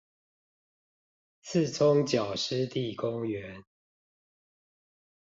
莿蔥腳濕地公園